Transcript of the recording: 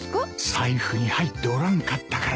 財布に入っておらんかったからだよ。